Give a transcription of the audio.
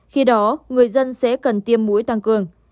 khi đó người dân sẽ cần tiêm mũi tăng cường